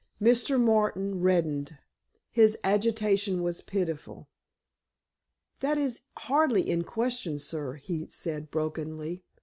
Mr. Martin reddened. His agitation was pitiful. "That is hardly in question, sir," he said brokenly.